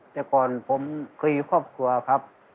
แต่ก่อนผมคุยครอบครัวครับ